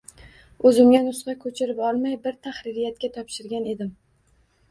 O’zimga nusxa ko’chirib olmay bir taxririyatga topshirgan edim